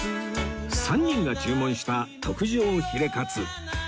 ３人が注文した特上ヒレかつ